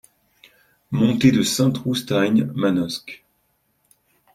Montée de Sainte-Roustagne, Manosque